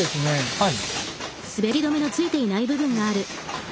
はい。